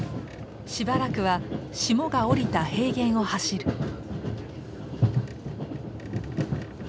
しばらくは霜が降りた平原を走る。